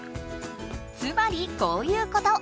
つまりこういうこと。